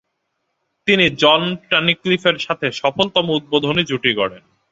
তিনি জন টানিক্লিফের সাথে সফলতম উদ্বোধনী জুটি গড়েন।